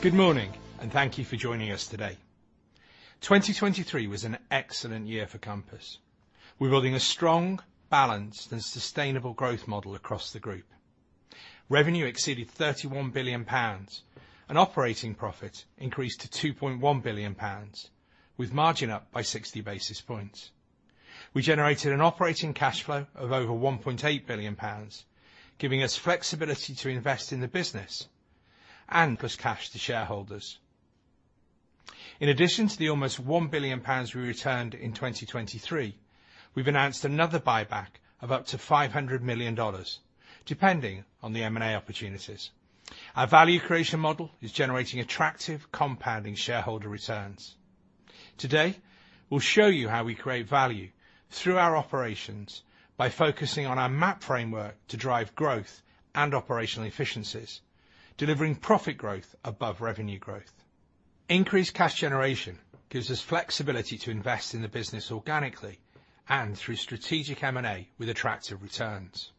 Good morning, and thank you for joining us today. 2023 was an excellent year for Compass. We're building a strong, balanced, and sustainable growth model across the group. Revenue exceeded 31 billion pounds, and operating profit increased to 2.1 billion pounds, with margin up by 60 basis points. We generated an operating cash flow of over GBP 1.8 billion, giving us flexibility to invest in the business and plus cash to shareholders. In addition to the almost 1 billion pounds we returned in 2023, we've announced another buyback of up to $500 million, depending on the M&A opportunities. Our value creation model is generating attractive compounding shareholder returns. Today, we'll show you how we create value through our operations by focusing on our MAP framework to drive growth and operational efficiencies, delivering profit growth above revenue growth. Increased cash generation gives us flexibility to invest in the business organically and through strategic M&A with attractive returns.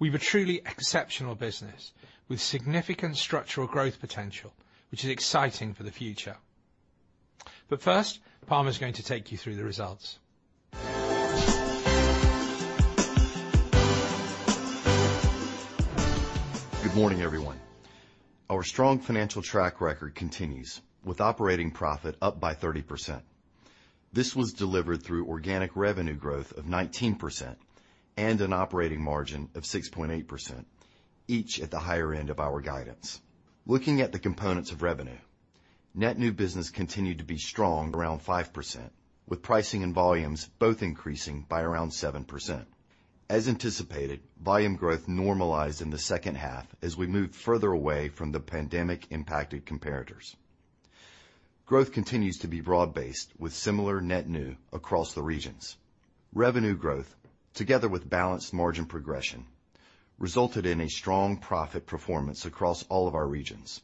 We have a truly exceptional business with significant structural growth potential, which is exciting for the future. But first, Palmer is going to take you through the results. Good morning, everyone. Our strong financial track record continues, with operating profit up by 30%. This was delivered through organic revenue growth of 19% and an operating margin of 6.8%, each at the higher end of our guidance. Looking at the components of revenue, net new business continued to be strong, around 5%, with pricing and volumes both increasing by around 7%. As anticipated, volume growth normalized in the second half as we moved further away from the pandemic-impacted comparators. Growth continues to be broad-based, with similar net new across the regions. Revenue growth, together with balanced margin progression, resulted in a strong profit performance across all of our regions.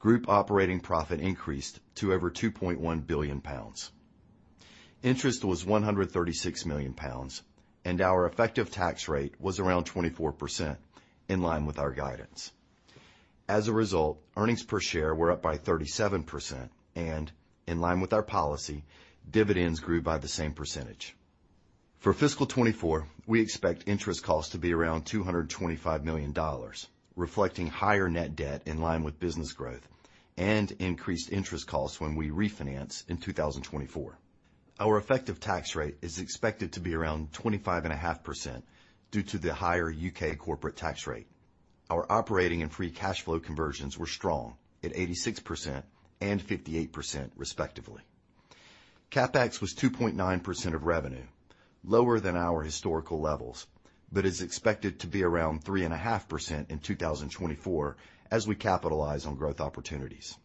Group operating profit increased to over 2.1 billion pounds. Interest was 136 million pounds, and our effective tax rate was around 24%, in line with our guidance. As a result, earnings per share were up by 37%, and in line with our policy, dividends grew by the same percentage. For fiscal 2024, we expect interest costs to be around $225 million, reflecting higher net debt in line with business growth and increased interest costs when we refinance in 2024. Our effective tax rate is expected to be around 25.5% due to the higher U.K. corporate tax rate. Our operating and free cash flow conversions were strong at 86% and 58% respectively. CapEx was 2.9% of revenue, lower than our historical levels, but is expected to be around 3.5% in 2024 as we capitalize on growth opportunities.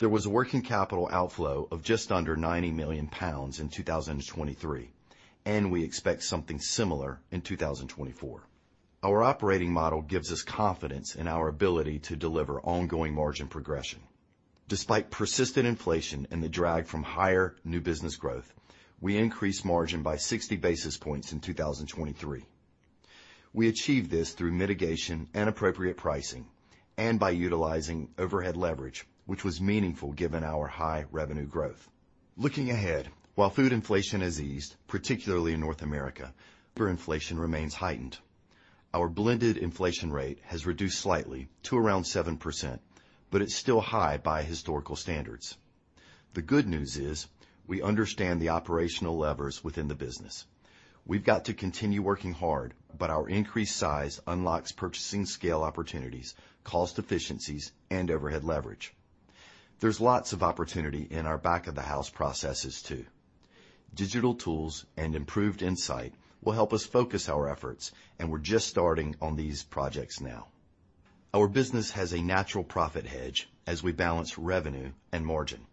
There was a working capital outflow of just under 90 million pounds in 2023, and we expect something similar in 2024. Our operating model gives us confidence in our ability to deliver ongoing margin progression. Despite persistent inflation and the drag from higher new business growth, we increased margin by 60 basis points in 2023. We achieved this through mitigation and appropriate pricing and by utilizing overhead leverage, which was meaningful given our high revenue growth. Looking ahead, while food inflation has eased, particularly in North America, labour inflation remains heightened. Our blended inflation rate has reduced slightly to around 7%, but it's still high by historical standards. The good news is we understand the operational levers within the business. We've got to continue working hard, but our increased size unlocks purchasing scale opportunities, cost efficiencies, and overhead leverage. There's lots of opportunity in our back-of-the-house processes, too. Digital tools and improved insight will help us focus our efforts, and we're just starting on these projects now. Our business has a natural profit hedge as we balance revenue and margin.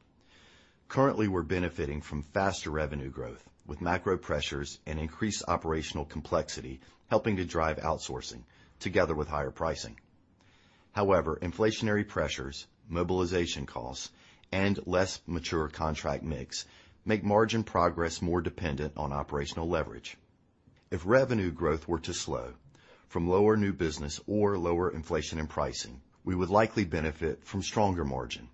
Currently, we're benefiting from faster revenue growth, with macro pressures and increased operational complexity helping to drive outsourcing together with higher pricing. However, inflationary pressures, mobilization costs, and less mature contract mix make margin progress more dependent on operational leverage. If revenue growth were to slow from lower new business or lower inflation and pricing, we would likely benefit from stronger margin,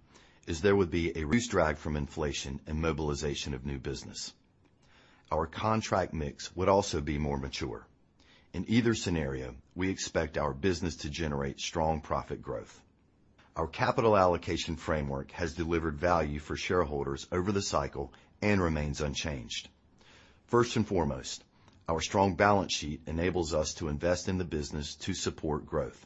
as there would be a reduced drag from inflation and mobilization of new business. Our contract mix would also be more mature. In either scenario, we expect our business to generate strong profit growth. Our capital allocation framework has delivered value for shareholders over the cycle and remains unchanged. First and foremost, our strong balance sheet enables us to invest in the business to support growth.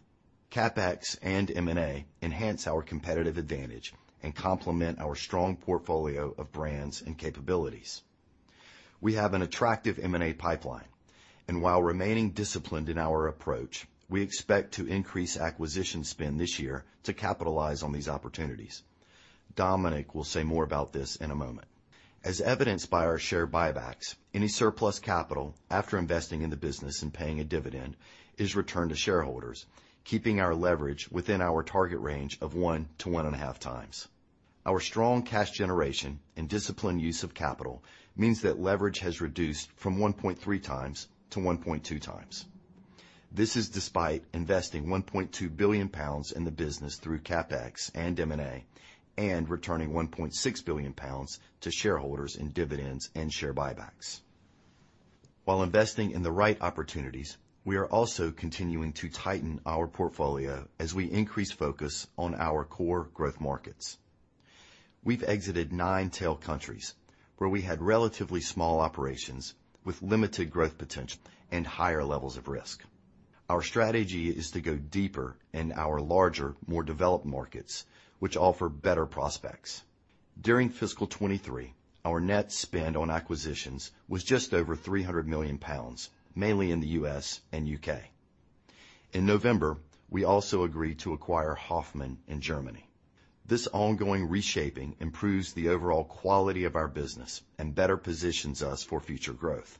CapEx and M&A enhance our competitive advantage and complement our strong portfolio of brands and capabilities. We have an attractive M&A pipeline, and while remaining disciplined in our approach, we expect to increase acquisition spend this year to capitalize on these opportunities. Dominic will say more about this in a moment. As evidenced by our share buybacks, any surplus capital after investing in the business and paying a dividend is returned to shareholders, keeping our leverage within our target range of 1x-1.5x. Our strong cash generation and disciplined use of capital means that leverage has reduced from 1.3x to 1.2 times. This is despite investing 1.2 billion pounds in the business through CapEx and M&A, and returning 1.6 billion pounds to shareholders in dividends and share buybacks. While investing in the right opportunities, we are also continuing to tighten our portfolio as we increase focus on our core growth markets. We've exited nine tail countries, where we had relatively small operations with limited growth potential and higher levels of risk. Our strategy is to go deeper in our larger, more developed markets, which offer better prospects. During fiscal 2023, our net spend on acquisitions was just over 300 million pounds, mainly in the U.S. and U.K. In November, we also agreed to acquire HOFMANN in Germany. This ongoing reshaping improves the overall quality of our business and better positions us for future growth.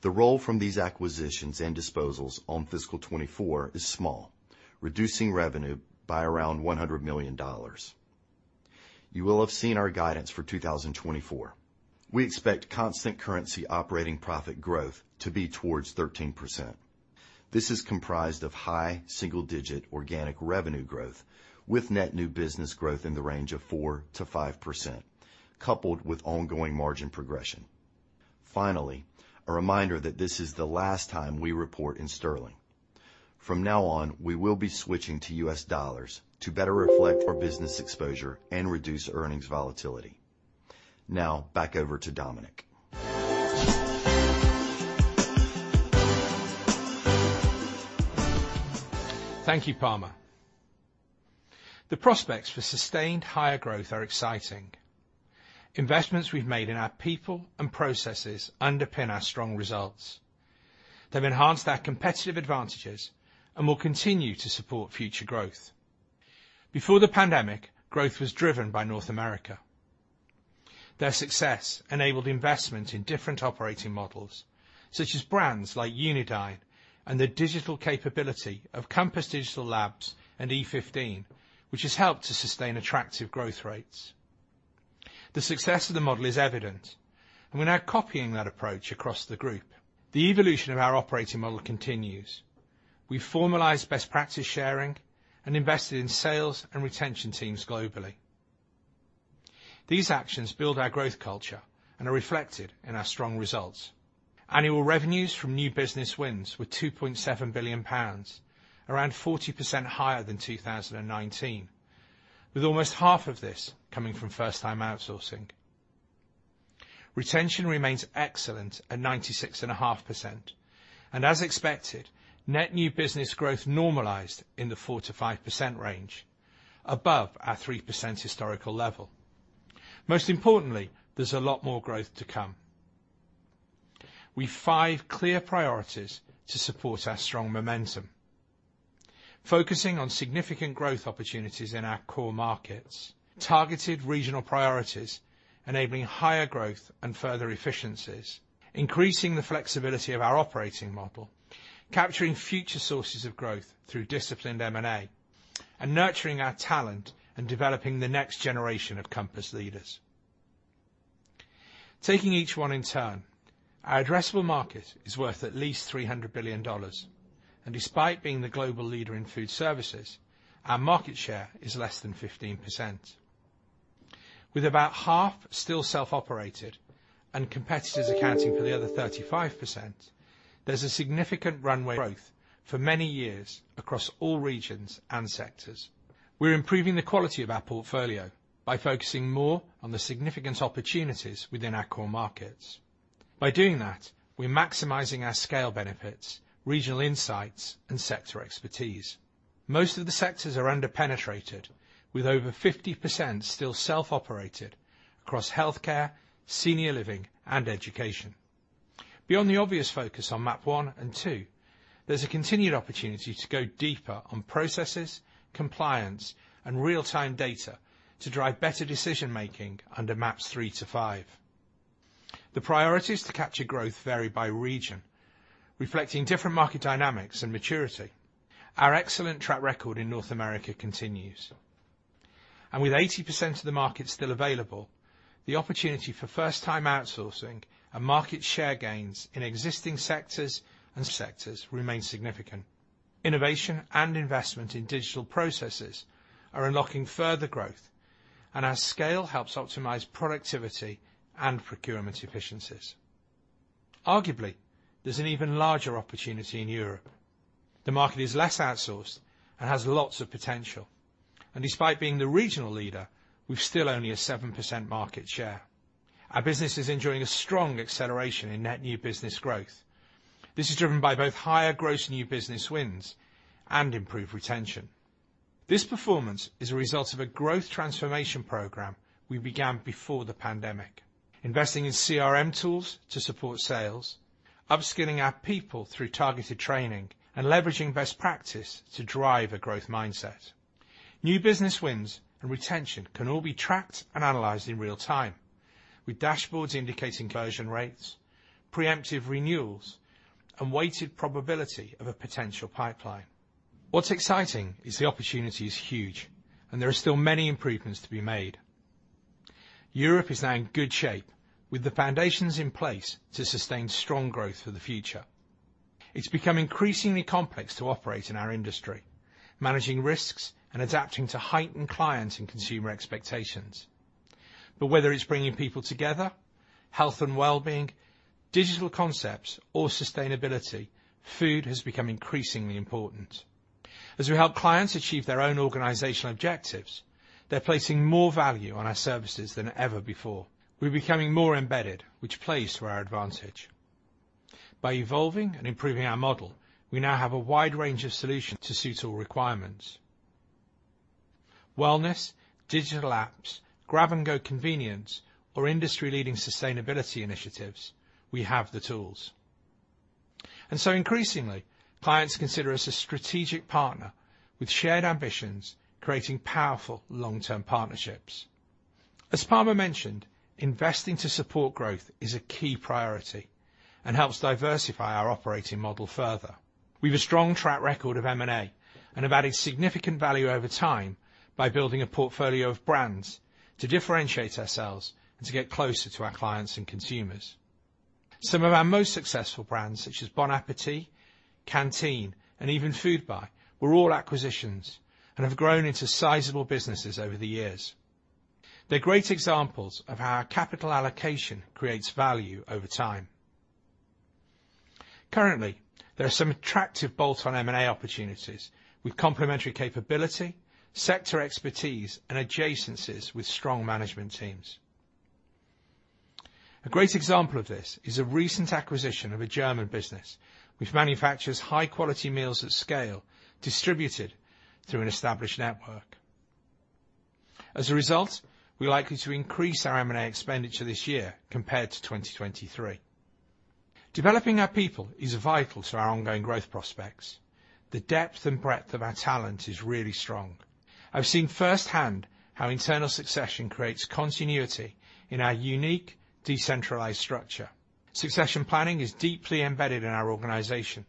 The role from these acquisitions and disposals on fiscal 2024 is small, reducing revenue by around $100 million. You will have seen our guidance for 2024. We expect constant currency operating profit growth to be towards 13%. This is comprised of high single-digit organic revenue growth, with net new business growth in the range of 4%-5%, coupled with ongoing margin progression. Finally, a reminder that this is the last time we report in sterling. From now on, we will be switching to U.S. dollars to better reflect our business exposure and reduce earnings volatility. Now back over to Dominic. Thank you, Palmer. The prospects for sustained higher growth are exciting. Investments we've made in our people and processes underpin our strong results. They've enhanced our competitive advantages and will continue to support future growth. Before the pandemic, growth was driven by North America. Their success enabled investment in different operating models, such as brands like Unidine and the digital capability of Compass Digital Labs and E15, which has helped to sustain attractive growth rates. The success of the model is evident, and we're now copying that approach across the group. The evolution of our operating model continues. We've formalized best practice sharing and invested in sales and retention teams globally. These actions build our growth culture and are reflected in our strong results. Annual revenues from new business wins were 2.7 billion pounds, around 40% higher than 2019, with almost half of this coming from first-time outsourcing. Retention remains excellent at 96.5%, and as expected, net new business growth normalized in the 4%-5% range, above our 3% historical level. Most importantly, there's a lot more growth to come. We've five clear priorities to support our strong momentum: focusing on significant growth opportunities in our core markets, targeted regional priorities, enabling higher growth and further efficiencies, increasing the flexibility of our operating model, capturing future sources of growth through disciplined M&A, and nurturing our talent and developing the next generation of Compass leaders. Taking each one in turn, our addressable market is worth at least $300 billion, and despite being the global leader in food services, our market share is less than 15%. With about half still self-operated and competitors accounting for the other 35%, there's a significant runway growth for many years across all regions and sectors. We're improving the quality of our portfolio by focusing more on the significant opportunities within our core markets. By doing that, we're maximizing our scale benefits, regional insights, and sector expertise. Most of the sectors are under-penetrated, with over 50% still self-operated across healthcare, senior living, and education. Beyond the obvious focus on MAP 1 and 2, there's a continued opportunity to go deeper on processes, compliance, and real-time data to drive better decision-making under MAPs 3-5. The priorities to capture growth vary by region, reflecting different market dynamics and maturity. Our excellent track record in North America continues, and with 80% of the market still available, the opportunity for first-time outsourcing and market share gains in existing sectors and sectors remain significant. Innovation and investment in digital processes are unlocking further growth, and our scale helps optimize productivity and procurement efficiencies. Arguably, there's an even larger opportunity in Europe. The market is less outsourced and has lots of potential, and despite being the regional leader, we've still only a 7% market share. Our business is enjoying a strong acceleration in net new business growth. This is driven by both higher gross new business wins and improved retention. This performance is a result of a growth transformation program we began before the pandemic, investing in CRM tools to support sales, upskilling our people through targeted training, and leveraging best practice to drive a growth mindset. New business wins and retention can all be tracked and analyzed in real time, with dashboards indicating conversion rates, preemptive renewals, and weighted probability of a potential pipeline. What's exciting is the opportunity is huge, and there are still many improvements to be made. Europe is now in good shape, with the foundations in place to sustain strong growth for the future. It's become increasingly complex to operate in our industry, managing risks and adapting to heightened clients and consumer expectations. But whether it's bringing people together, health and wellbeing, digital concepts or sustainability, food has become increasingly important. As we help clients achieve their own organizational objectives, they're placing more value on our services than ever before. We're becoming more embedded, which plays to our advantage. By evolving and improving our model, we now have a wide range of solutions to suit all requirements. Wellness, digital apps, grab-and-go convenience, or industry-leading sustainability initiatives, we have the tools. And so increasingly, clients consider us a strategic partner with shared ambitions, creating powerful long-term partnerships. As Palmer mentioned, investing to support growth is a key priority and helps diversify our operating model further. We have a strong track record of M&A and have added significant value over time by building a portfolio of brands to differentiate ourselves and to get closer to our clients and consumers. Some of our most successful brands, such as Bon Appétit, Canteen, and even Foodbuy, were all acquisitions and have grown into sizable businesses over the years. They're great examples of how our capital allocation creates value over time. Currently, there are some attractive bolt-on M&A opportunities with complementary capability, sector expertise, and adjacencies with strong management teams. A great example of this is a recent acquisition of a German business, which manufactures high-quality meals at scale, distributed through an established network. As a result, we are likely to increase our M&A expenditure this year compared to 2023. Developing our people is vital to our ongoing growth prospects. The depth and breadth of our talent is really strong. I've seen firsthand how internal succession creates continuity in our unique, decentralized structure. Succession planning is deeply embedded in our organization,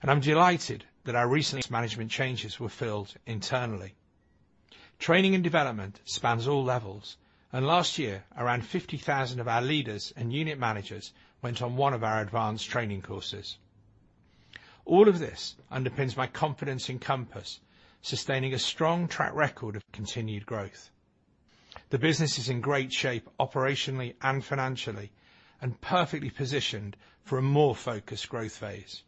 and I'm delighted that our recent management changes were filled internally. Training and development spans all levels, and last year, around 50,000 of our leaders and unit managers went on one of our advanced training courses. All of this underpins my confidence in Compass, sustaining a strong track record of continued growth. The business is in great shape, operationally and financially, and perfectly positioned for a more focused growth phase.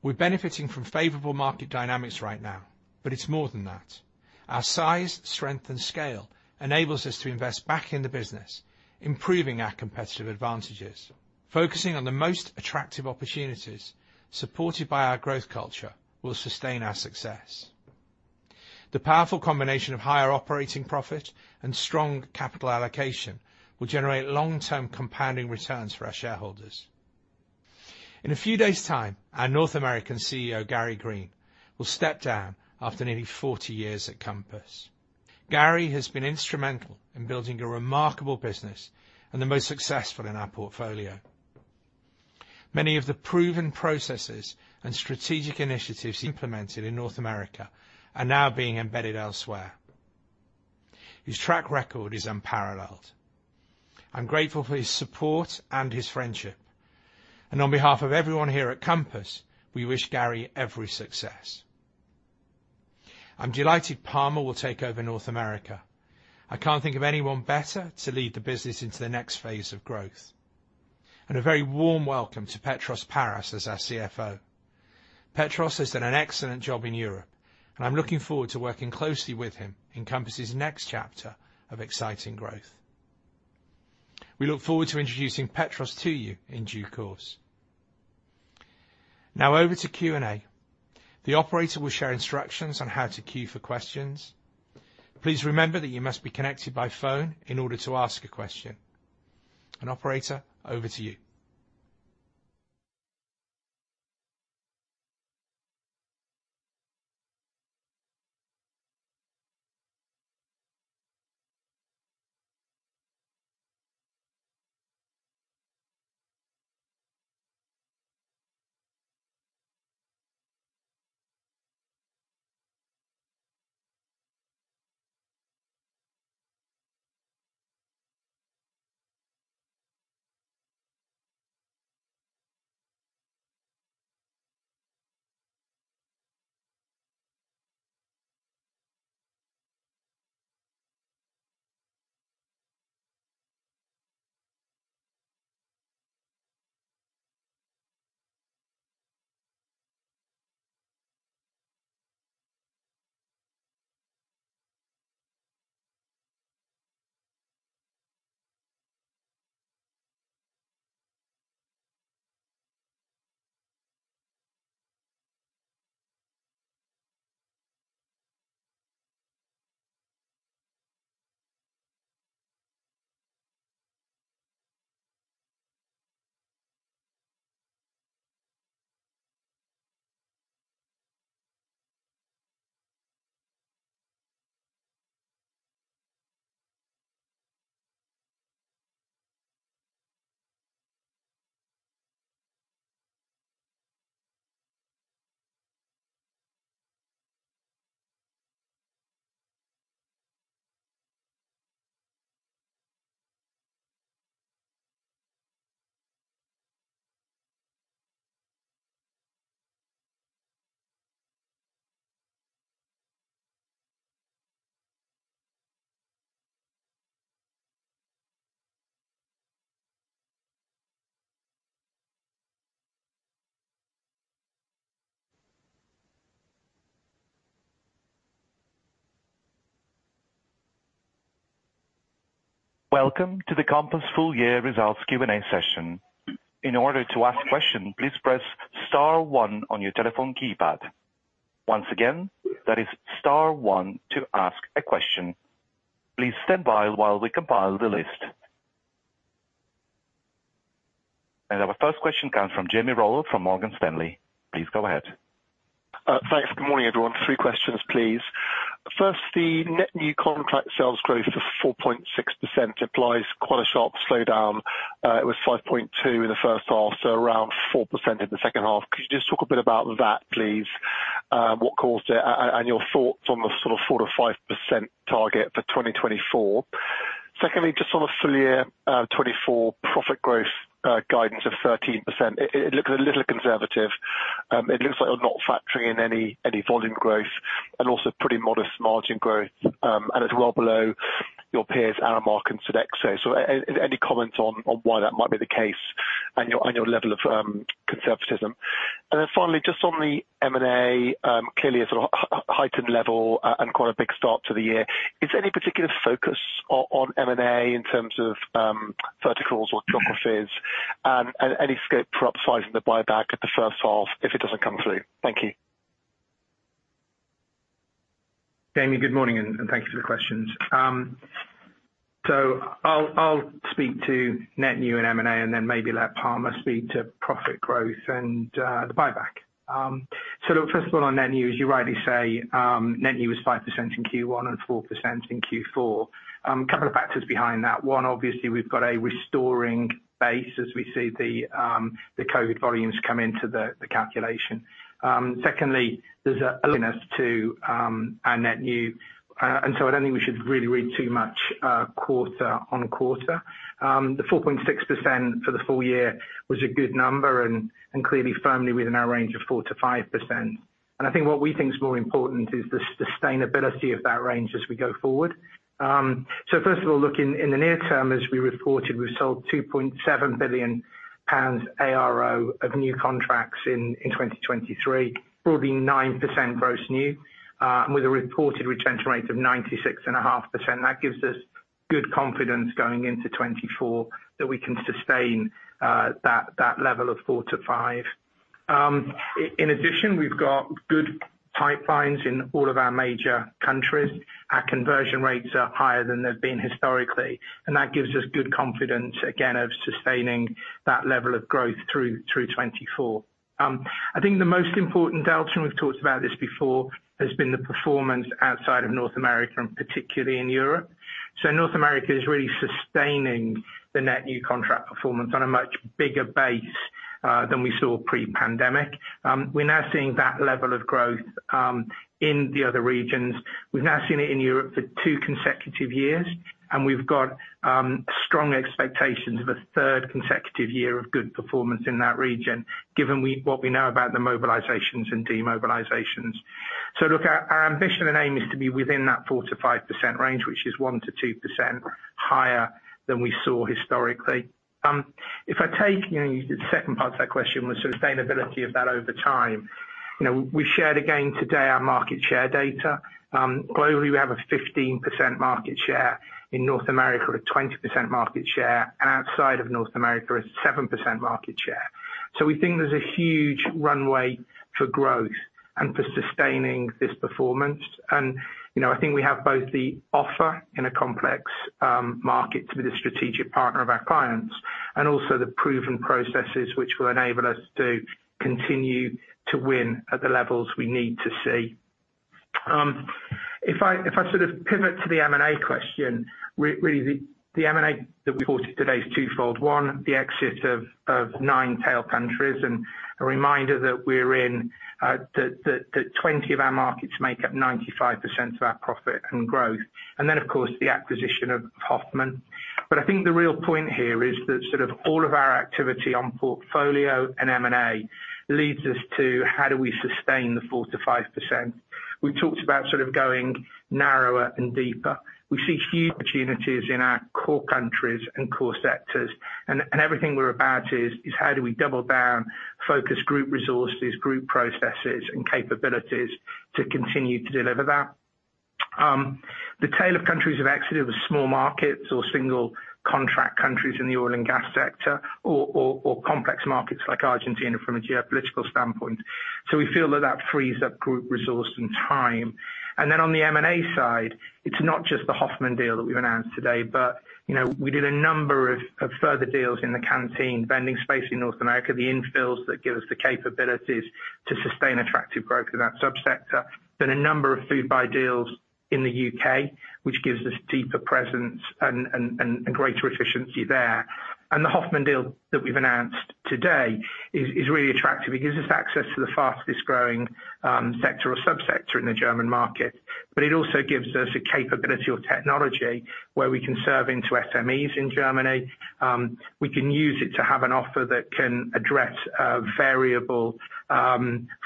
We're benefiting from favorable market dynamics right now, but it's more than that. Our size, strength, and scale enables us to invest back in the business, improving our competitive advantages. Focusing on the most attractive opportunities, supported by our growth culture, will sustain our success. The powerful combination of higher operating profit and strong capital allocation will generate long-term compounding returns for our shareholders. In a few days time, our North American CEO, Gary Green, will step down after nearly 40 years at Compass. Gary has been instrumental in building a remarkable business and the most successful in our portfolio. Many of the proven processes and strategic initiatives implemented in North America are now being embedded elsewhere. His track record is unparalleled. I'm grateful for his support and his friendship, and on behalf of everyone here at Compass, we wish Gary every success. I'm delighted Palmer will take over North America. I can't think of anyone better to lead the business into the next phase of growth. A very warm welcome to Petros Parras as our CFO. Petros has done an excellent job in Europe, and I'm looking forward to working closely with him in Compass's next chapter of exciting growth. We look forward to introducing Petros to you in due course. Now over to Q&A. The operator will share instructions on how to queue for questions. Please remember that you must be connected by phone in order to ask a question. Operator, over to you. Welcome to the Compass full year results Q&A session. In order to ask a question, please press star one on your telephone keypad. Once again, that is star one to ask a question. Please stand by while we compile the list. Our first question comes from Jamie Rollo from Morgan Stanley. Please go ahead. Thanks. Good morning, everyone. Three questions, please. First, the net new contract sales growth of 4.6% implies quite a sharp slowdown. It was 5.2% in the first half, so around 4% in the second half. Could you just talk a bit about that, please? What caused it, and your thoughts on the sort of 4%-5% target for 2024. Secondly, just on a full year 2024 profit growth guidance of 13%, it looks a little conservative. It looks like you're not factoring in any volume growth and also pretty modest margin growth, and it's well below your peers, Aramark and Sodexo. So any comments on why that might be the case and your level of conservatism? And then finally, just on the M&A, clearly a sort of heightened level, and quite a big start to the year. Is there any particular focus on M&A in terms of verticals or geographies? And any scope for upsizing the buyback at the first half if it doesn't come through? Thank you. Jamie, good morning, and thank you for the questions. So I'll speak to net new and M&A, and then maybe let Palmer speak to profit growth and the buyback. So look, first of all, on net new, as you rightly say, net new was 5% in Q1 and 4% in Q4. A couple of factors behind that. One, obviously, we've got a restoring base as we see the the COVID volumes come into the the calculation. Secondly, there's a lumpiness to our net new, and so I don't think we should really read too much quarter-on-quarter. The 4.6% for the full year was a good number and clearly firmly within our range of 4%-5%. I think what we think is more important is the sustainability of that range as we go forward. So first of all, looking in the near term, as we reported, we sold 2.7 billion pounds ARO of new contracts in 2023, growing 9% gross new with a reported retention rate of 96.5%. That gives us good confidence going into 2024, that we can sustain that level of 4%-5%. In addition, we've got good pipelines in all of our major countries. Our conversion rates are higher than they've been historically, and that gives us good confidence, again, of sustaining that level of growth through 2024. I think the most important delta, and we've talked about this before, has been the performance outside of North America and particularly in Europe. So North America is really sustaining the net new contract performance on a much bigger base than we saw pre-pandemic. We're now seeing that level of growth in the other regions. We've now seen it in Europe for two consecutive years, and we've got strong expectations of a third consecutive year of good performance in that region, given what we know about the mobilizations and demobilizations. So look, our, our ambition and aim is to be within that 4%-5% range, which is 1%-2% higher than we saw historically. If I take, you know, the second part of that question was sustainability of that over time. You know, we shared again today our market share data. Globally, we have a 15% market share. In North America, a 20% market share. Outside of North America, a 7% market share. So we think there's a huge runway for growth and for sustaining this performance. And, you know, I think we have both the offer in a complex market to be the strategic partner of our clients, and also the proven processes which will enable us to continue to win at the levels we need to see. If I sort of pivot to the M&A question, really the M&A that we reported today is twofold. One, the exit of nine tail countries, and a reminder that we're in that 20 of our markets make up 95% of our profit and growth. And then, of course, the acquisition of HOFMANN. But I think the real point here is that sort of all of our activity on portfolio and M&A leads us to: How do we sustain the 4%-5%? We've talked about sort of going narrower and deeper. We see huge opportunities in our core countries and core sectors, and, and everything we're about is, is how do we double down focus group resources, group processes, and capabilities to continue to deliver that? The tail of countries have exited with small markets or single contract countries in the oil and gas sector or, or, or complex markets like Argentina from a geopolitical standpoint. So we feel that that frees up group resource and time. Then on the M&A side, it's not just the HOFMANN deal that we've announced today, but, you know, we did a number of further deals in the canteen vending space in North America, the infills that give us the capabilities to sustain attractive growth in that subsector. Then a number of Foodbuy deals in the U.K., which gives us deeper presence and greater efficiency there. The HOFMANN deal that we've announced today is really attractive. It gives us access to the fastest growing sector or subsector in the German market, but it also gives us a capability or technology where we can serve into SMEs in Germany. We can use it to have an offer that can address a variable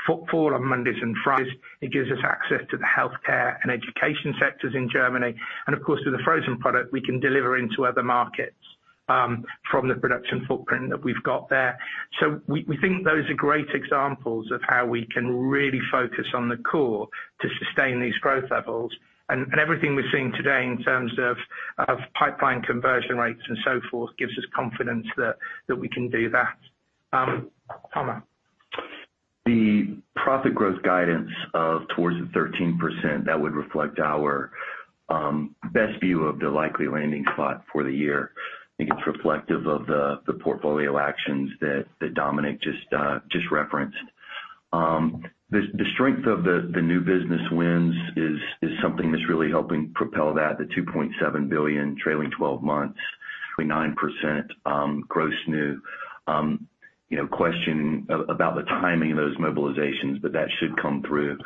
footfall on Mondays and Fridays. It gives us access to the healthcare and education sectors in Germany, and of course, with the frozen product, we can deliver into other markets from the production footprint that we've got there. So we think those are great examples of how we can really focus on the core to sustain these growth levels. And everything we're seeing today in terms of pipeline conversion rates and so forth gives us confidence that we can do that. Palmer? The profit growth guidance of towards the 13%, that would reflect our best view of the likely landing spot for the year. I think it's reflective of the portfolio actions that Dominic just referenced. The strength of the new business wins is something that's really helping propel that, the 2.7 billion trailing 12 months, between 9% gross new, you know, question about the timing of those mobilizations, but that should come through,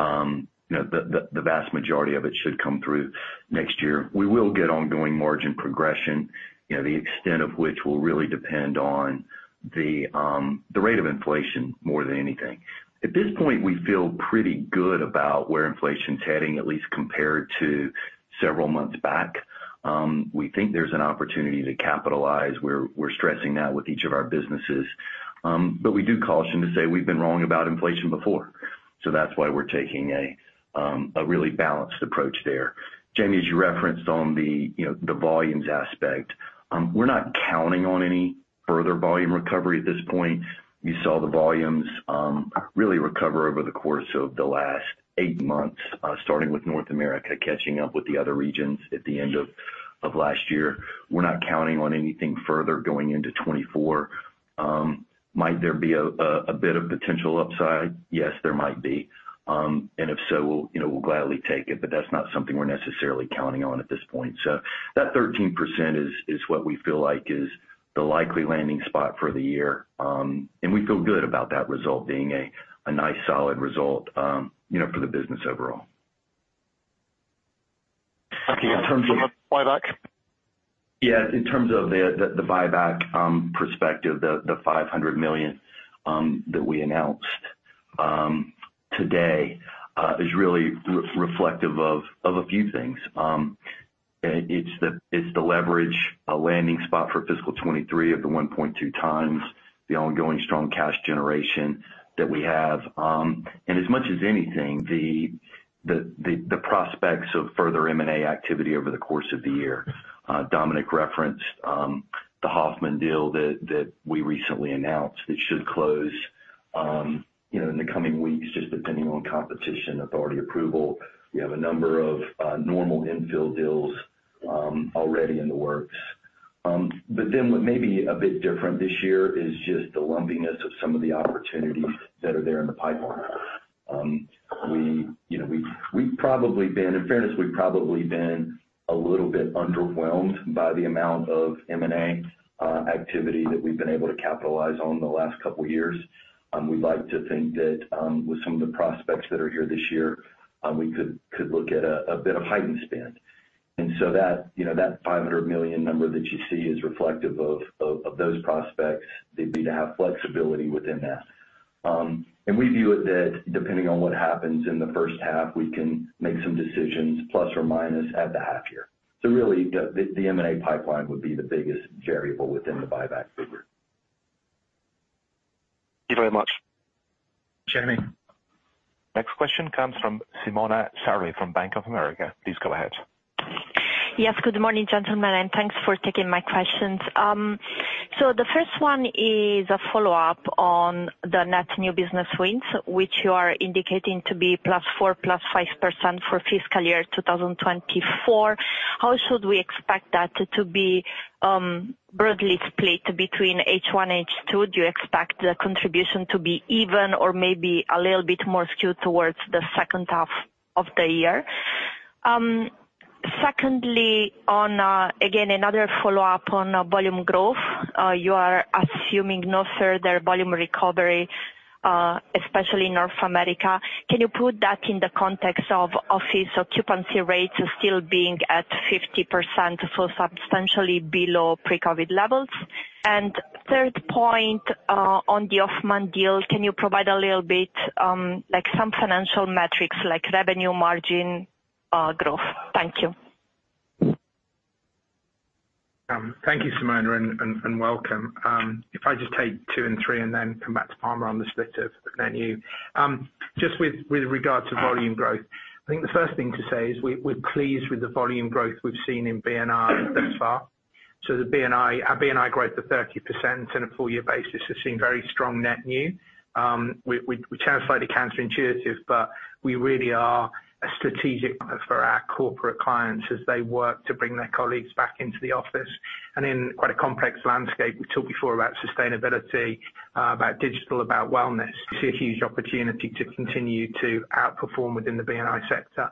you know, the vast majority of it should come through next year. We will get ongoing margin progression, you know, the extent of which will really depend on the rate of inflation more than anything. At this point, we feel pretty good about where inflation's heading, at least compared to several months back. We think there's an opportunity to capitalize. We're, we're stressing that with each of our businesses. But we do caution to say we've been wrong about inflation before. So that's why we're taking a really balanced approach there. Jamie, as you referenced on the, you know, the volumes aspect, we're not counting on any further volume recovery at this point. We saw the volumes really recover over the course of the last eight months, starting with North America, catching up with the other regions at the end of last year. We're not counting on anything further going into 2024. Might there be a bit of potential upside? Yes, there might be. And if so, we'll, you know, we'll gladly take it, but that's not something we're necessarily counting on at this point. That 13% is what we feel like is the likely landing spot for the year. We feel good about that result being a nice, solid result, you know, for the business overall. Okay, in terms of buyback? Yeah, in terms of the buyback perspective, the $500 million that we announced today is really reflective of a few things. It's the leverage, a landing spot for fiscal 2023 of the 1.2x, the ongoing strong cash generation that we have. And as much as anything, the prospects of further M&A activity over the course of the year. Dominic referenced the HOFMANN deal that we recently announced. It should close, you know, in the coming weeks just depending on competition authority approval. We have a number of normal infill deals already in the works. But then what may be a bit different this year is just the lumpiness of some of the opportunities that are there in the pipeline. You know, we've probably been—in fairness, we've probably been a little bit underwhelmed by the amount of M&A activity that we've been able to capitalize on the last couple of years. We'd like to think that with some of the prospects that are here this year, we could look at a bit of heightened spend. And so that, you know, that $500 million number that you see is reflective of those prospects, the need to have flexibility within that. And we view it that depending on what happens in the first half, we can make some decisions, plus or minus, at the half year. So really, the M&A pipeline would be the biggest variable within the buyback figure. Thank you very much. Next question comes from Simona Sarli from Bank of America. Please go ahead. Yes, good morning, gentlemen, and thanks for taking my questions. So the first one is a follow-up on the net new business wins, which you are indicating to be +4%, +5% for fiscal year 2024. How should we expect that to be broadly split between H1, H2? Do you expect the contribution to be even or maybe a little bit more skewed towards the second half of the year? Secondly, on, again, another follow-up on volume growth. You are assuming no further volume recovery, especially in North America. Can you put that in the context of office occupancy rates still being at 50%, so substantially below pre-COVID levels? And third point, on the HOFMANN deal, can you provide a little bit, like some financial metrics like revenue margin growth? Thank you. Thank you, Simona, and welcome. If I just take two and three and then come back to Palmer on the split of net new. Just with regard to volume growth, I think the first thing to say is we're pleased with the volume growth we've seen in B&I thus far. So the B&I, our B&I growth of 30% on a full-year basis has seen very strong net new. We, which sounds slightly counterintuitive, but we really are a strategic partner for our corporate clients as they work to bring their colleagues back into the office. And in quite a complex landscape, we talked before about sustainability, about digital, about wellness. We see a huge opportunity to continue to outperform within the B&I sector.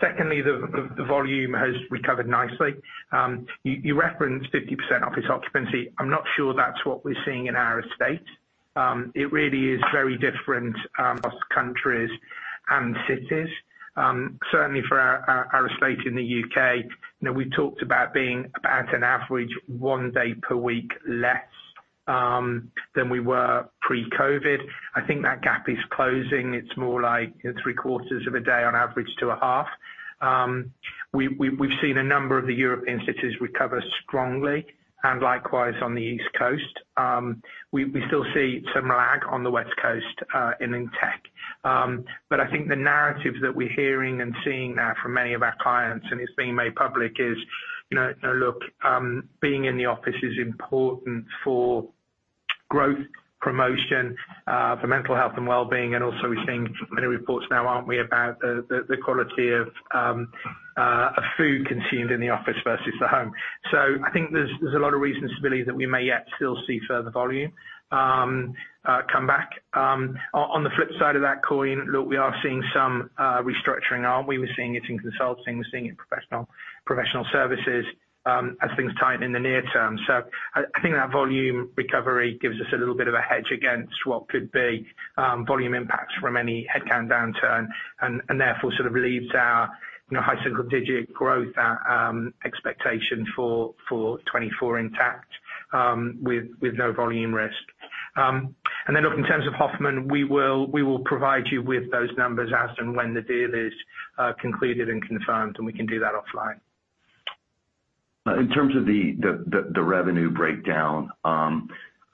Secondly, the volume has recovered nicely. You referenced 50% office occupancy. I'm not sure that's what we're seeing in our estate. It really is very different across countries and cities. Certainly for our estate in the U.K., you know, we've talked about being about an average one day per week less than we were pre-COVID. I think that gap is closing. It's more like three quarters of a day on average to a half. We've seen a number of the European cities recover strongly, and likewise on the East Coast. We still see some lag on the West Coast in tech. But I think the narrative that we're hearing and seeing now from many of our clients, and it's being made public, is, you know, now look, being in the office is important for growth, promotion, for mental health and wellbeing, and also we're seeing many reports now, aren't we, about the quality of food consumed in the office versus the home? So I think there's a lot of reasons to believe that we may yet still see further volume come back. On the flip side of that coin, look, we are seeing some restructuring, aren't we? We're seeing it in consulting, we're seeing it in professional services, as things tighten in the near term. So I think that volume recovery gives us a little bit of a hedge against what could be volume impacts from any headcount downturn, and therefore sort of leaves our, you know, high single-digit growth expectation for 2024 intact with no volume risk. And then look, in terms of HOFMANN, we will provide you with those numbers as and when the deal is concluded and confirmed, and we can do that offline. In terms of the revenue breakdown,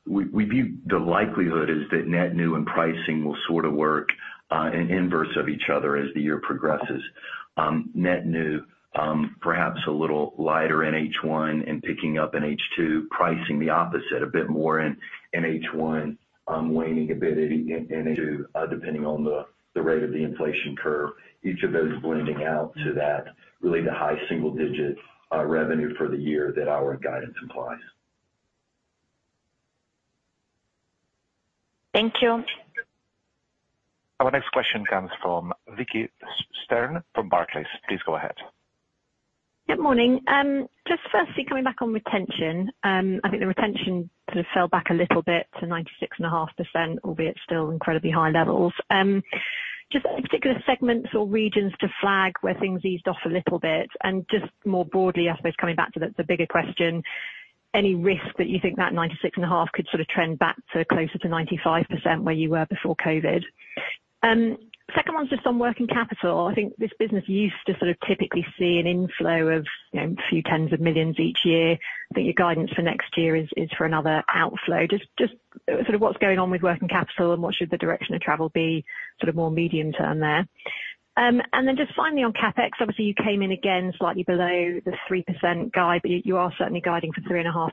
we view the likelihood is that net new and pricing will sort of work in inverse of each other as the year progresses. Net new, perhaps a little lighter in H1 and picking up in H2, pricing the opposite, a bit more in H1, waning a bit in H2, depending on the rate of the inflation curve. Each of those blending out to that, really the high single digit revenue for the year that our guidance implies. Thank you. Our next question comes from Vicki Stern from Barclays. Please go ahead. Good morning. Just firstly, coming back on retention. I think the retention sort of fell back a little bit to 96.5%, albeit still incredibly high levels. Just any particular segments or regions to flag where things eased off a little bit? And just more broadly, I suppose coming back to the, the bigger question, any risk that you think that 96.5% could sort of trend back to closer to 95% where you were before COVID? Second one's just on working capital. I think this business used to sort of typically see an inflow of, you know, a few tens of millions each year, but your guidance for next year is, is for another outflow. Just, just sort of what's going on with working capital and what should the direction of travel be, sort of more medium term there? And then just finally on CapEx, obviously you came in again slightly below the 3% guide. But you, you are certainly guiding for 3.5%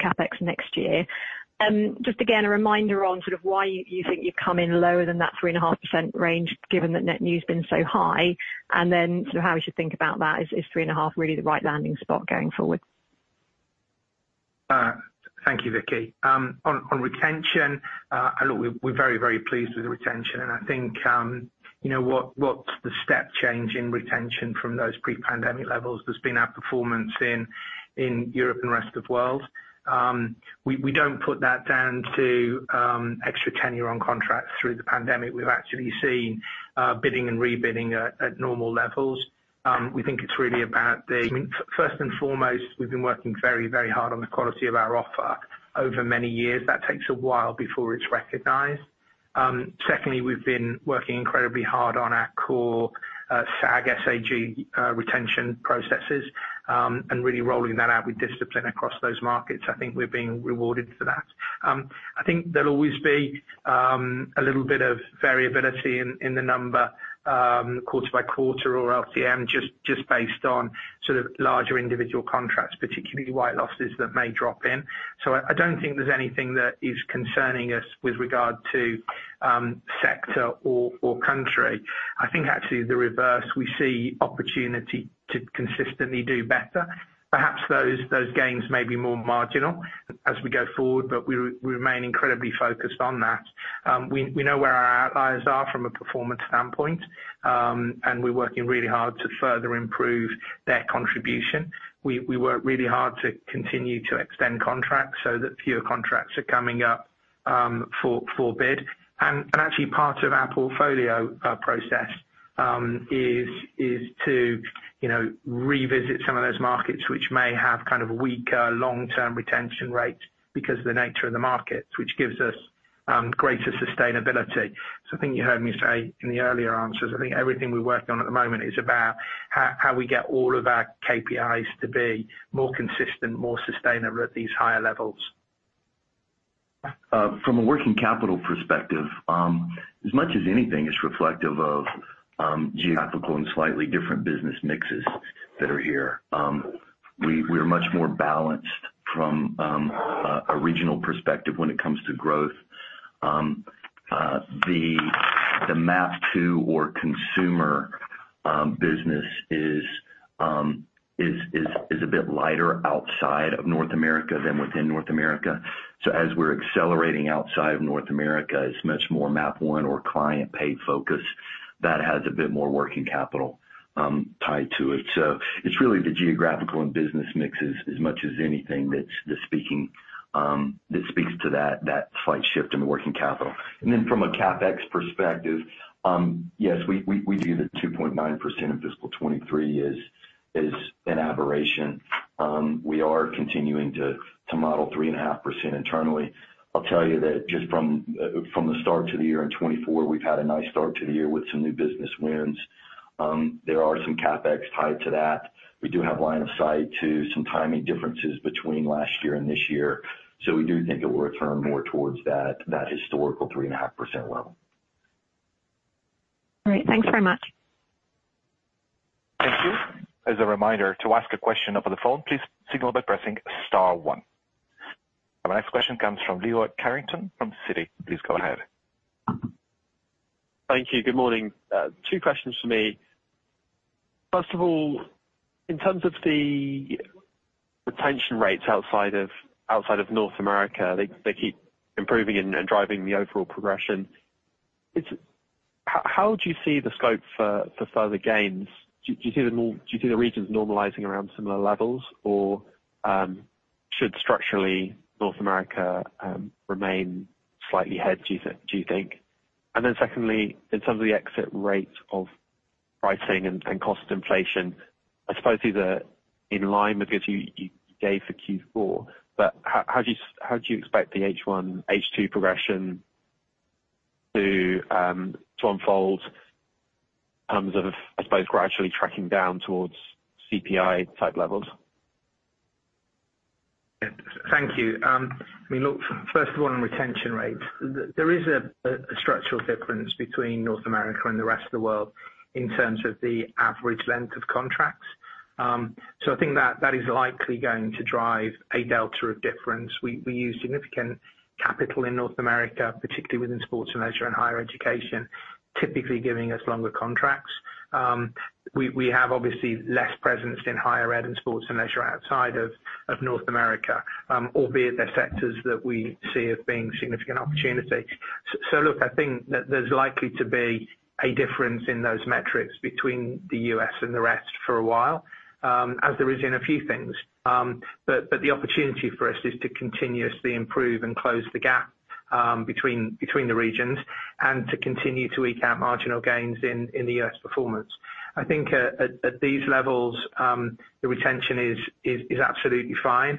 CapEx next year. Just again, a reminder on sort of why you, you think you've come in lower than that 3.5% range, given that net new's been so high, and then sort of how we should think about that is, is 3.5% really the right landing spot going forward? Thank you, Vicki. On retention, look, we're very pleased with the retention, and I think, you know, what's the step change in retention from those pre-pandemic levels has been our performance in Europe and rest of world. We don't put that down to extra tenure on contracts through the pandemic. We've actually seen bidding and rebidding at normal levels. We think it's really about the—I mean, first and foremost, we've been working very hard on the quality of our offer over many years. That takes a while before it's recognized. Secondly, we've been working incredibly hard on our core SAG, S-A-G, retention processes, and really rolling that out with discipline across those markets. I think we're being rewarded for that. I think there'll always be a little bit of variability in the number quarter-by-quarter or LTM, just based on sort of larger individual contracts, particularly [white] losses that may drop in. So I don't think there's anything that is concerning us with regard to sector or country. I think actually the reverse, we see opportunity to consistently do better. Perhaps those gains may be more marginal as we go forward, but we remain incredibly focused on that. We know where our outliers are from a performance standpoint, and we're working really hard to further improve their contribution. We work really hard to continue to extend contracts so that fewer contracts are coming up for bid. Actually, part of our portfolio process is to, you know, revisit some of those markets which may have kind of weaker long-term retention rates because of the nature of the markets, which gives us greater sustainability. I think you heard me say in the earlier answers, I think everything we're working on at the moment is about how we get all of our KPIs to be more consistent, more sustainable at these higher levels. From a working capital perspective, as much as anything, it's reflective of geographical and slightly different business mixes that are here. We're much more balanced from a regional perspective when it comes to growth. The MAP 2 or consumer business is a bit lighter outside of North America than within North America. So as we're accelerating outside of North America, it's much more MAP 1 or client paid focus that has a bit more working capital tied to it. So it's really the geographical and business mixes as much as anything that's the speaking that speaks to that slight shift in the working capital. And then from a CapEx perspective, yes, we view the 2.9% in fiscal 2023 is an aberration. We are continuing to model 3.5% internally. I'll tell you that just from the start to the year in 2024, we've had a nice start to the year with some new business wins. There are some CapEx tied to that. We do have line of sight to some timing differences between last year and this year, so we do think it will return more towards that historical 3.5% level. All right. Thanks very much. Thank you. As a reminder, to ask a question over the phone, please signal by pressing star one. Our next question comes from Leo Carrington from Citi. Please go ahead. Thank you. Good morning. Two questions for me. First of all, in terms of the retention rates outside of North America, they keep improving and driving the overall progression. How do you see the scope for further gains? Do you see the regions normalizing around similar levels? Or should structurally North America remain slightly ahead, do you think? And then secondly, in terms of the exit rate of pricing and cost inflation, I suppose these are in line with what you gave for Q4, but how do you expect the H1, H2 progression to unfold in terms of, I suppose, gradually tracking down towards CPI type levels? Thank you. I mean, look, first of all, on retention rates, there is a structural difference between North America and the rest of the world in terms of the average length of contracts. So I think that is likely going to drive a delta of difference. We use significant capital in North America, particularly within sports and leisure and higher education, typically giving us longer contracts. We have obviously less presence in higher ed and sports and leisure outside of North America, albeit they're sectors that we see as being significant opportunity. So look, I think that there's likely to be a difference in those metrics between the U.S. and the rest for a while, as there is in a few things. But the opportunity for us is to continuously improve and close the gap between the regions and to continue to eke out marginal gains in the U.S. performance. I think at these levels the retention is absolutely fine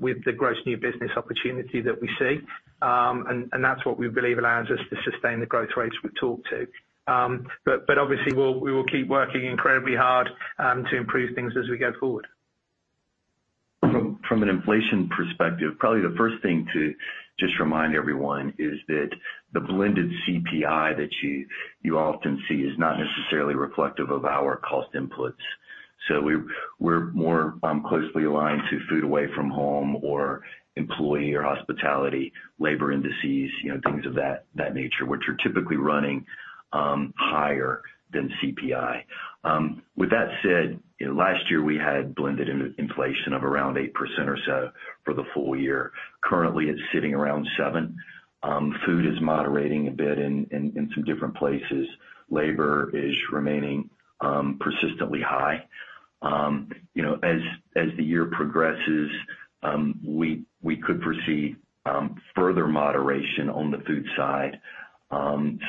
with the gross new business opportunity that we see. And that's what we believe allows us to sustain the growth rates we've talked to. But obviously, we will keep working incredibly hard to improve things as we go forward. From an inflation perspective, probably the first thing to just remind everyone is that the blended CPI that you often see is not necessarily reflective of our cost inputs. So we're more closely aligned to food away from home or employee or hospitality, labour indices, you know, things of that nature, which are typically running higher than CPI. With that said, you know, last year we had blended inflation of around 8% or so for the full year. Currently, it's sitting around 7%. Food is moderating a bit in some different places. Labor is remaining persistently high. You know, as the year progresses, we could foresee further moderation on the food side,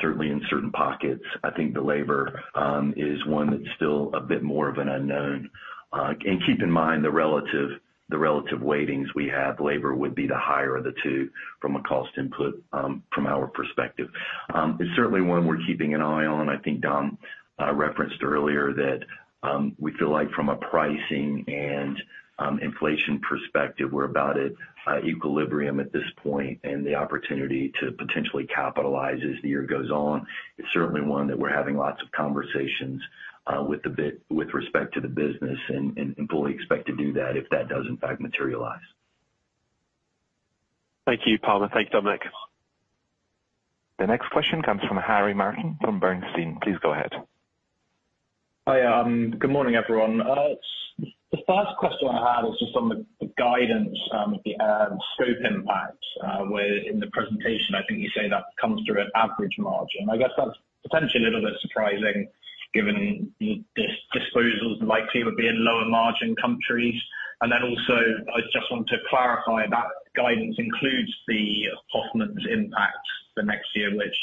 certainly in certain pockets. I think the labour is one that's still a bit more of an unknown. Keep in mind, the relative weightings we have, labour would be the higher of the two from a cost input, from our perspective. It's certainly one we're keeping an eye on. I think Dom referenced earlier that we feel like from a pricing and inflation perspective, we're about at equilibrium at this point. And the opportunity to potentially capitalize as the year goes on is certainly one that we're having lots of conversations with respect to the business and fully expect to do that if that does in fact materialize. Thank you, Palmer. Thank you, Dominic. The next question comes from Harry Martin from Bernstein. Please go ahead. Hi, good morning, everyone. The first question I had was just on the guidance, the scope impact, where in the presentation, I think you say that comes through at average margin. I guess that's potentially a little bit surprising given the disposals likely would be in lower margin countries. And then also, I just want to clarify, that guidance includes the HOFMANN's impact the next year, which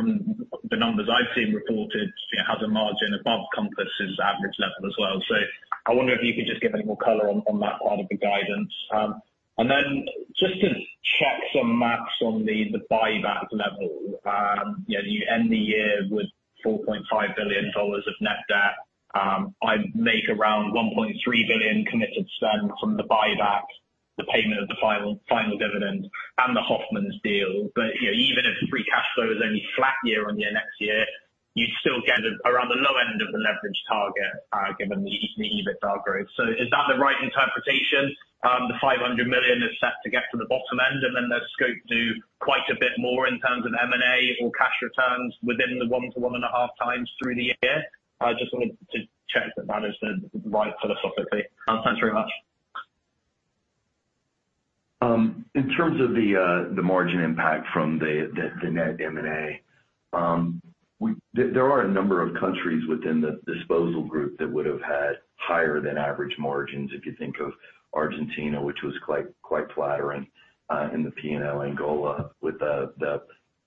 from the numbers I've seen reported, it has a margin above Compass' average level as well. So I wonder if you could just give a little more color on that part of the guidance. And then just to check some math on the buyback level, yeah, you end the year with $4.5 billion of net debt. I make around 1.3 billion committed spend from the buyback, the payment of the final, final dividend and the HOFMANN deal. But, you know, even if free cash flow is only flat year-on-year next year, you'd still get around the low end of the leverage target, given the, the EBITDA growth. So is that the right interpretation? The $500 million is set to get to the bottom end, and then there's scope to quite a bit more in terms of M&A or cash returns within the 1x-1.5x through the year. I just wanted to check that that is the right philosophy. Thanks very much. In terms of the, the margin impact from the, the, the net M&A, there are a number of countries within the disposal group that would have had higher than average margins. If you think of Argentina, which was quite, quite flattering in the P&L, Angola, with the,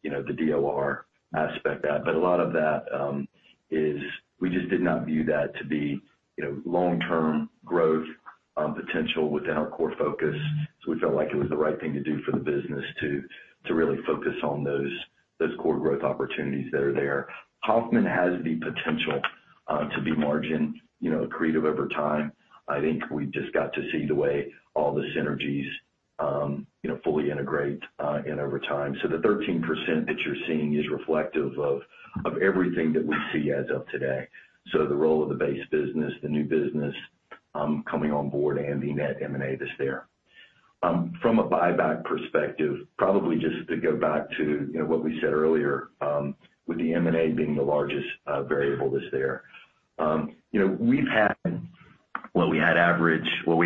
you know, the DOR aspect of that. But a lot of that is we just did not view that to be, you know, long-term growth potential within our core focus. So we felt like it was the right thing to do for the business to really focus on those core growth opportunities that are there. HOFMANN has the potential to be margin, you know, accretive over time. I think we've just got to see the way all the synergies, you know, fully integrate and over time. So the 13% that you're seeing is reflective of everything that we see as of today. So the role of the base business, the new business coming on board and the net M&A that's there. From a buyback perspective, probably just to go back to, you know, what we said earlier with the M&A being the largest variable that's there. You know, we've had, well, we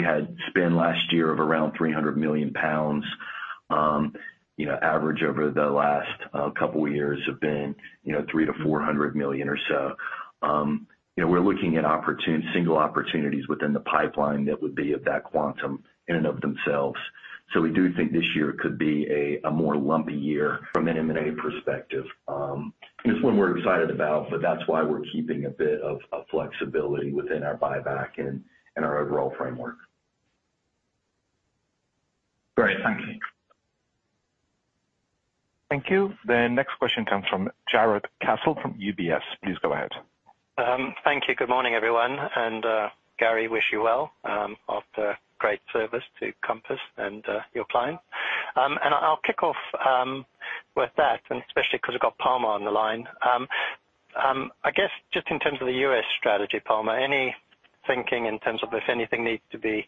had spend last year of around 300 million pounds. You know, average over the last couple of years have been, you know, 300 million-400 million or so. You know, we're looking at opportune single opportunities within the pipeline that would be of that quantum in and of themselves. So we do think this year could be a more lumpy year from an M&A perspective. It's one we're excited about, but that's why we're keeping a bit of flexibility within our buyback and our overall framework. Great. Thank you. Thank you. The next question comes from Jarrod Castle from UBS. Please go ahead. Thank you. Good morning, everyone, and Gary, wish you well after great service to Compass and your client. I'll kick off with that, and especially because we've got Palmer on the line. I guess, just in terms of the U.S. strategy, Palmer, any thinking in terms of if anything needs to be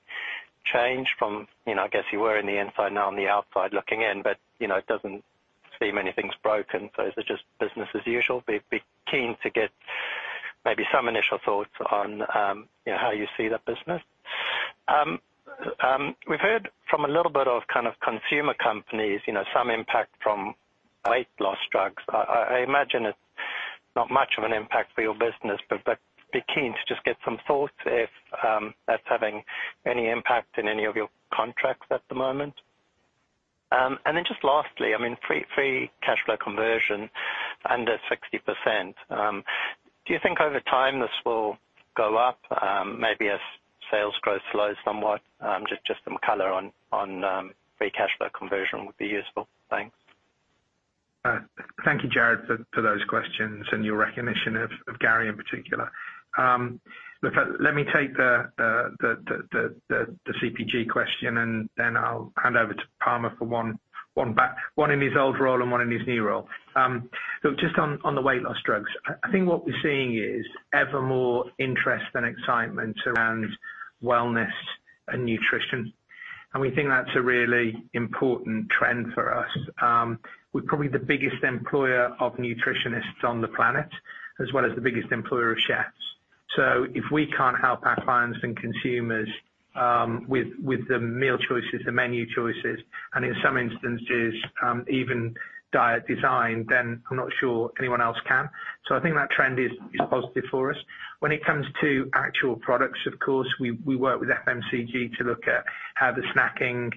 changed from, you know, I guess you were in the inside now on the outside looking in, but, you know, it doesn't seem anything's broken, so is it just business as usual? Be keen to get maybe some initial thoughts on, you know, how you see the business. We've heard from a little bit of kind of consumer companies, you know, some impact from weight loss drugs. I imagine it's not much of an impact for your business, but be keen to just get some thoughts if that's having any impact in any of your contracts at the moment. And then just lastly, I mean, free cash flow conversion under 60%. Do you think over time this will go up, maybe as sales growth slows somewhat? Just some color on free cash flow conversion would be useful. Thanks. Thank you, Jarrod, for those questions and your recognition of Gary in particular. Look, let me take the CPG question, and then I'll hand over to Palmer for one back, one in his old role and one in his new role. Look, just on the weight loss drugs, I think what we're seeing is ever more interest and excitement around wellness and nutrition. We think that's a really important trend for us. We're probably the biggest employer of nutritionists on the planet, as well as the biggest employer of chefs. So if we can't help our clients and consumers with the meal choices, the menu choices, and in some instances, even diet design, then I'm not sure anyone else can. So I think that trend is positive for us. When it comes to actual products, of course, we work with FMCG to look at how the snacking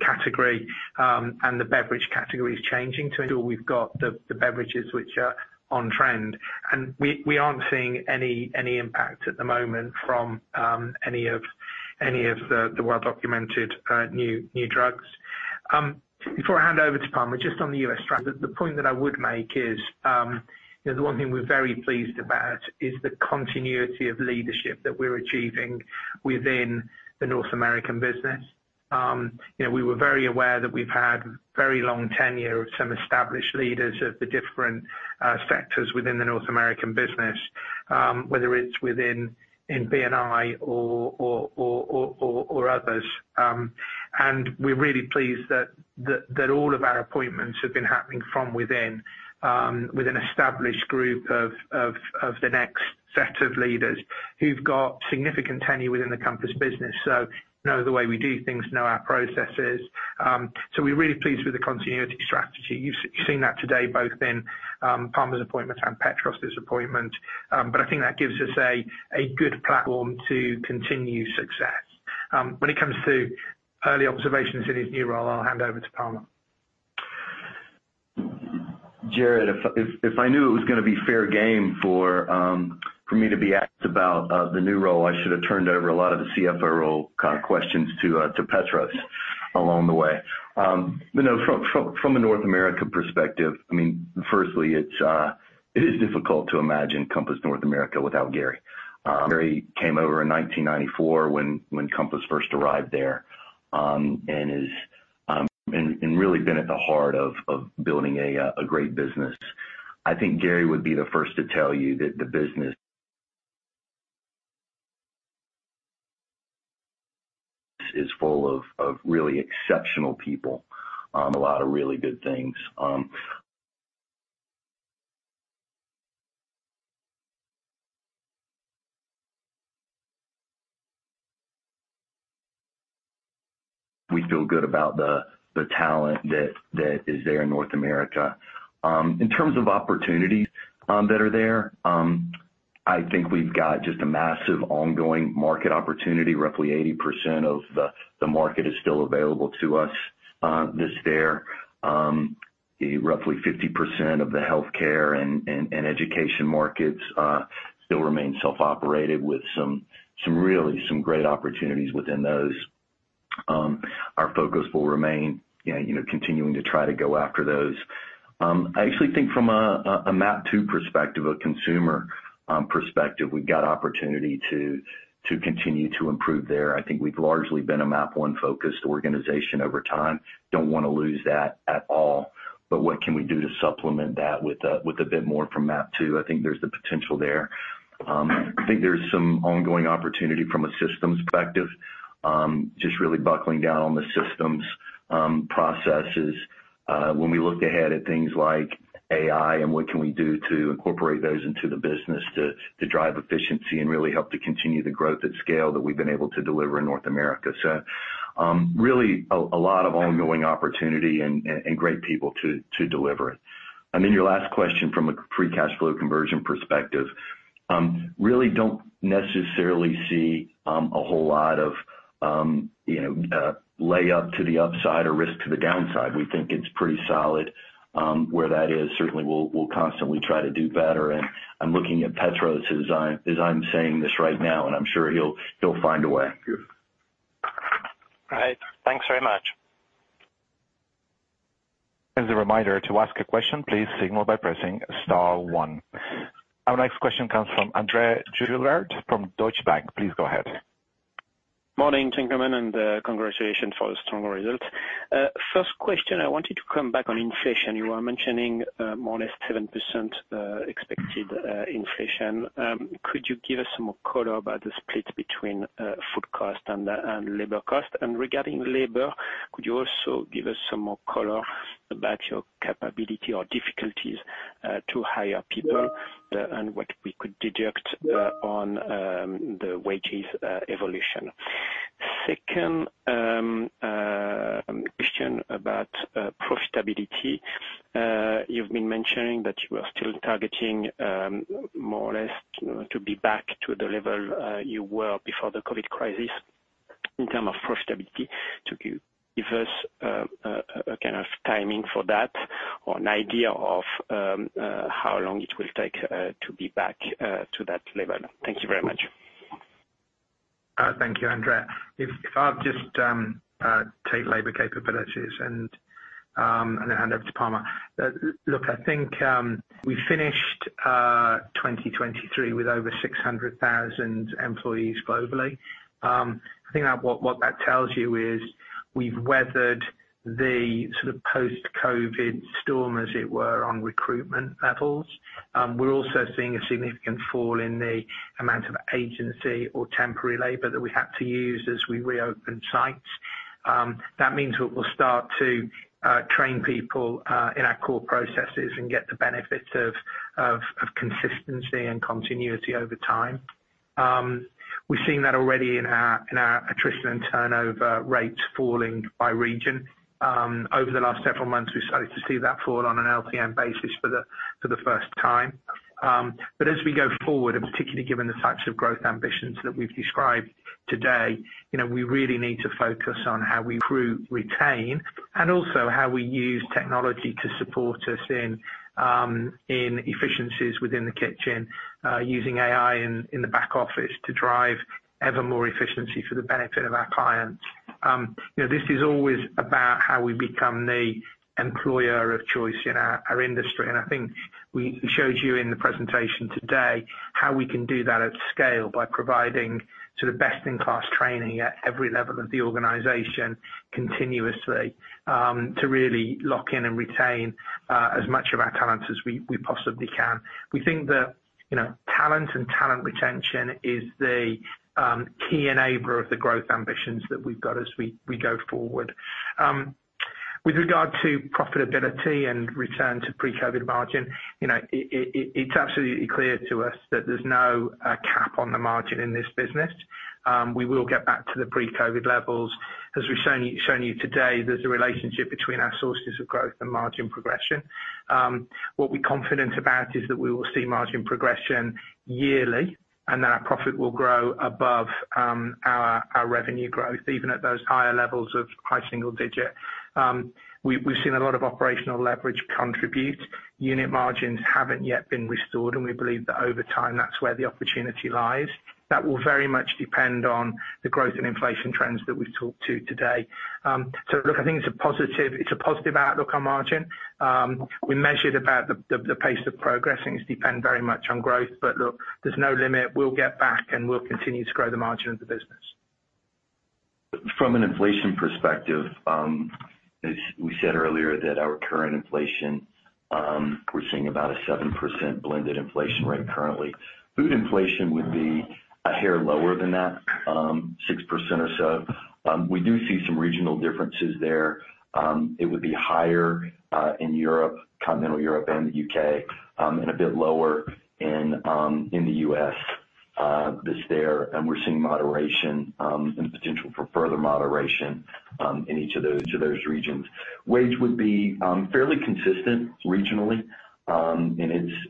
category and the beverage category is changing to ensure we've got the beverages which are on trend. And we aren't seeing any impact at the moment from any of the well-documented new drugs. Before I hand over to Palmer, just on the U.S. strategy, the point that I would make is, you know, the one thing we're very pleased about is the continuity of leadership that we're achieving within the North American business. You know, we were very aware that we've had very long tenure of some established leaders of the different sectors within the North American business, whether it's within, in B&I or others. And we're really pleased that all of our appointments have been happening from within, with an established group of the next set of leaders who've got significant tenure within the Compass business, so know the way we do things, know our processes. So we're really pleased with the continuity strategy. You've seen that today, both in Palmer's appointment and Petros's appointment. But I think that gives us a good platform to continue success. When it comes to early observations in his new role, I'll hand over to Palmer. Jarrod, if I knew it was gonna be fair game for me to be asked about the new role, I should have turned over a lot of the CFO role kind of questions to Petros along the way. But no, from a North America perspective, I mean, firstly, it is difficult to imagine Compass North America without Gary. Gary came over in 1994 when Compass first arrived there, and really been at the heart of building a great business. I think Gary would be the first to tell you that the business is full of really exceptional people, a lot of really good things. We feel good about the talent that is there in North America. In terms of opportunities that are there, I think we've got just a massive ongoing market opportunity. Roughly 80% of the market is still available to us this year. The roughly 50% of the healthcare and education markets still remain self-operated with some really great opportunities within those. Our focus will remain, you know, continuing to try to go after those. I actually think from a MAP 2 perspective, a consumer perspective, we've got opportunity to continue to improve there. I think we've largely been a MAP 1-focused organization over time. Don't want to lose that at all, but what can we do to supplement that with a bit more from MAP 2? I think there's the potential there. I think there's some ongoing opportunity from a systems perspective, just really buckling down on the systems, processes. When we look ahead at things like AI and what can we do to incorporate those into the business to drive efficiency and really help to continue the growth at scale that we've been able to deliver in North America. So, really a lot of ongoing opportunity and great people to deliver it. And then your last question from a free cash flow conversion perspective, really don't necessarily see a whole lot of, you know, leeway to the upside or risk to the downside. We think it's pretty solid where that is. Certainly, we'll constantly try to do better, and I'm looking at Petros as I'm saying this right now, and I'm sure he'll find a way. All right. Thanks very much. As a reminder, to ask a question, please signal by pressing star one. Our next question comes from André Juillard from Deutsche Bank. Please go ahead. Morning, gentlemen, and, congratulations for the strong results. First question, I wanted to come back on inflation. You were mentioning more or less 7% expected inflation. Could you give us some more color about the split between food cost and labour cost? And regarding labour, could you also give us some more color about your capability or difficulties to hire people and what we could deduct on the wages evolution? Second question about profitability. You've been mentioning that you are still targeting more or less to be back to the level you were before the COVID crisis in terms of profitability. Could you give us a kind of timing for that, or an idea of how long it will take to be back to that level? Thank you very much. Thank you, André. I'll just take labour capabilities and hand over to Palmer. Look, I think we finished 2023 with over 600,000 employees globally. I think that what that tells you is we've weathered the sort of post-COVID storm, as it were, on recruitment levels. We're also seeing a significant fall in the amount of agency or temporary labour that we had to use as we reopened sites. That means that we'll start to train people in our core processes and get the benefits of consistency and continuity over time. We've seen that already in our attrition and turnover rates falling by region. Over the last several months, we started to see that fall on an LTM basis for the first time. But as we go forward, and particularly given the facts of growth ambitions that we've described today, you know, we really need to focus on how we recruit, retain, and also how we use technology to support us in, in efficiencies within the kitchen, using AI in, in the back office to drive ever more efficiency for the benefit of our clients. You know, this is always about how we become the employer of choice in our, our industry, and I think we showed you in the presentation today, how we can do that at scale by providing sort of best-in-class training at every level of the organization continuously, to really lock in and retain, as much of our talents as we, we possibly can. We think that, you know, talent and talent retention is the key enabler of the growth ambitions that we've got as we, we go forward. With regard to profitability and return to pre-COVID margin, you know, it, it, it's absolutely clear to us that there's no cap on the margin in this business. We will get back to the pre-COVID levels. As we've shown you, shown you today, there's a relationship between our sources of growth and margin progression. What we're confident about is that we will see margin progression yearly, and that our profit will grow above our revenue growth, even at those higher levels of high single digit. We, we've seen a lot of operational leverage contribute. Unit margins haven't yet been restored, and we believe that over time, that's where the opportunity lies. That will very much depend on the growth and inflation trends that we've talked to today. So look, I think it's a positive, it's a positive outlook on margin. We measured about the pace of progressing, it depend very much on growth, but look, there's no limit. We'll get back, and we'll continue to grow the margin of the business. From an inflation perspective, as we said earlier that our current inflation, we're seeing about a 7% blended inflation rate currently. Food inflation would be a hair lower than that, 6% or so. We do see some regional differences there. It would be higher in Europe, continental Europe and the U.K., and a bit lower in the U.S. just year, and we're seeing moderation and potential for further moderation, in each of those, each of those regions. Wage would be fairly consistent regionally, and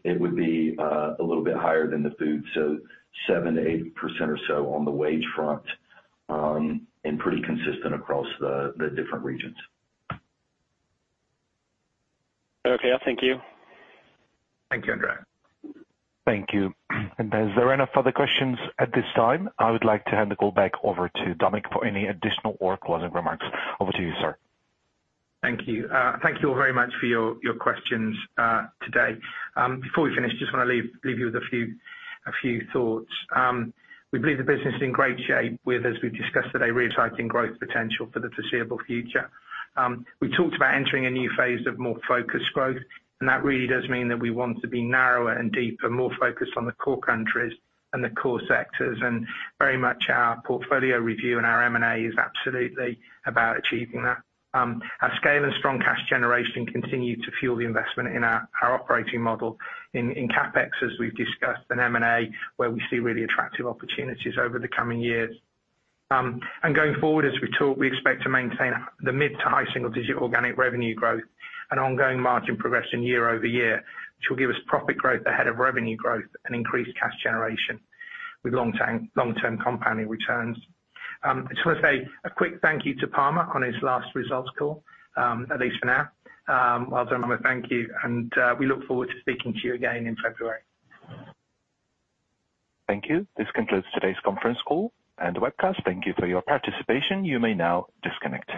it would be, a little bit higher than the food, so 7%-8% or so on the wage front, and pretty consistent across the, the different regions. Okay, thank you. Thank you, André. Thank you. As there are no further questions at this time, I would like to hand the call back over to Dominic for any additional or closing remarks. Over to you, sir. Thank you. Thank you all very much for your questions today. Before we finish, just wanna leave you with a few thoughts. We believe the business is in great shape with, as we've discussed today, reassuring growth potential for the foreseeable future. We talked about entering a new phase of more focused growth, and that really does mean that we want to be narrower and deeper, more focused on the core countries and the core sectors, and very much our portfolio review and our M&A is absolutely about achieving that. Our scale and strong cash generation continue to fuel the investment in our operating model in CapEx, as we've discussed, and M&A, where we see really attractive opportunities over the coming years. Going forward, as we talked, we expect to maintain the mid- to high-single-digit organic revenue growth and ongoing margin progression year-over-year, which will give us profit growth ahead of revenue growth and increased cash generation with long-term compounding returns. I just wanna say a quick thank you to Palmer on his last results call, at least for now. Well done, Palmer, thank you, and we look forward to speaking to you again in February. Thank you. This concludes today's conference call and the webcast. Thank you for your participation. You may now disconnect.